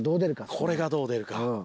これがどう出るか。